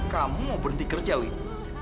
kamu mau berhenti kerja wik